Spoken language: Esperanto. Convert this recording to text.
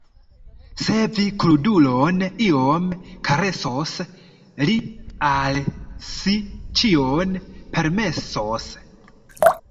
Se vi krudulon iom karesos, li al si ĉion permesos.